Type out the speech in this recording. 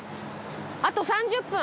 あと３０分。